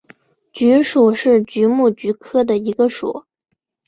菊属是菊目菊科的一个属。